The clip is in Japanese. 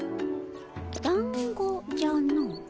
だんごじゃの。